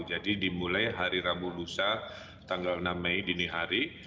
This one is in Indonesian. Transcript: jadi dimulai hari rabu lusa tanggal enam mei dini hari